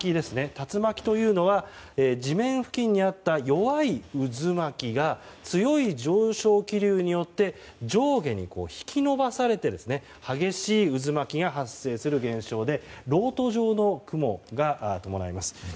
竜巻というのは地面付近にあった弱い渦巻きが強い上昇気流によって上下に引き伸ばされて激しい渦巻きが発生する現象でろうと状の雲を伴います。